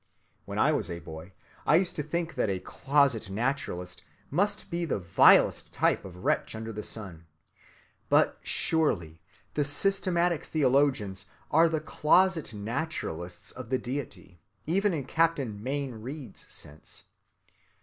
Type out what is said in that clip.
When I was a boy, I used to think that a closet‐naturalist must be the vilest type of wretch under the sun. But surely the systematic theologians are the closet‐naturalists of the deity, even in Captain Mayne Reid's sense.